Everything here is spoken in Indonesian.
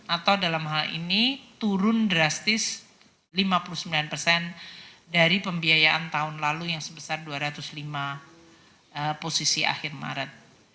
atau dalam hal ini turun drastis lima puluh sembilan persen dari pembiayaan tahun lalu yang sebesar dua ratus lima posisi akhir maret